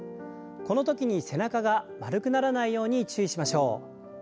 このときに背中が丸くならないように注意しましょう。